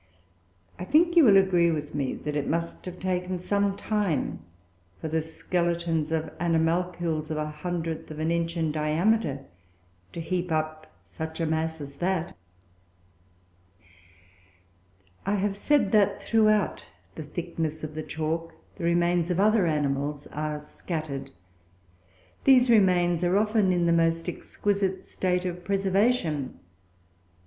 I think you will agree with me, that it must have taken some time for the skeletons of animalcules of a hundredth of an inch in diameter to heap up such a mass as that. I have said that throughout the thickness of the chalk the remains of other animals are scattered. These remains are often in the most exquisite state of preservation.